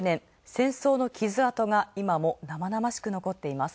戦争の傷跡が今も生々しく残っています。